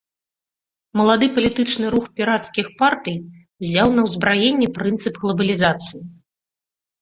Малады палітычны рух пірацкіх партый узяў на ўзбраенне прынцып глабалізацыі.